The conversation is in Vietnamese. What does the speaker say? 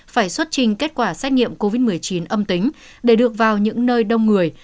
phải xuất trình kết quả xét nghiệm covid một mươi chín âm tính để được vào những nơi đông người